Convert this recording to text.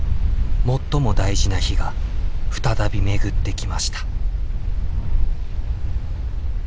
最も大事な日が再び巡ってきました。